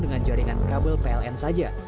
dengan jaringan kabel pln saja